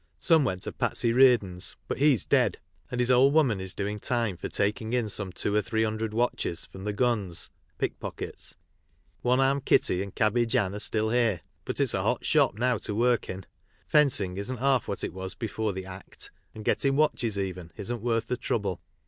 Some went to Patsey Reardon's, but he's dead, and his old woman is doing time for taking in some two or three hundred watches from the "guns" (pickpockets). One armed Kitty and Cabbage Ann are still here; but it's a hot shop now to work in. Fencing isn't half what it was before the " Act," and " getting" watches even isn't worth the trouble.